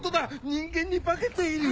人間に化けている！